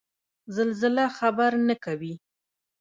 زلزله خبر نه کوي